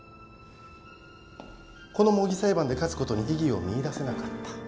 この模擬裁判で勝つことに意義を見いだせなかった。